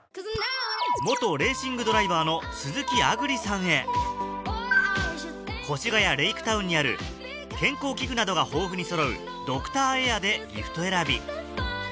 元レーシングドライバーの鈴木亜久里さんへ越谷レイクタウンにある健康器具などが豊富にそろうドクターエアでギフト選び